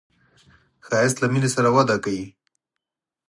ښایست له مینې سره وده کوي